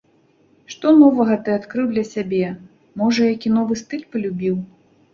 Што новага ты адкрыў для сябе, можа, які новы стыль палюбіў?